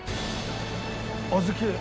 小豆！